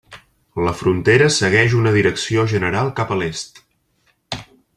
La frontera segueix una direcció general cap a l'est.